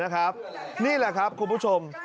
นี่แหละครับคุณผู้ชม